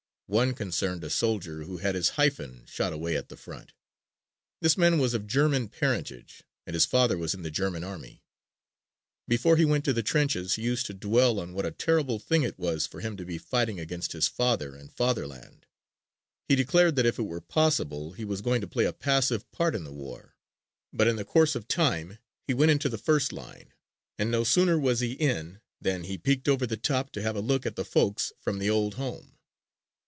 One concerned a soldier who had his hyphen shot away at the front. This man was of German parentage and his father was in the German army. Before he went to the trenches he used to dwell on what a terrible thing it was for him to be fighting against his father and Fatherland. He declared that if it were possible he was going to play a passive part in the war. But in the course of time he went into the first line and no sooner was he in than he peeked over the top to have a look at the folks from the old home.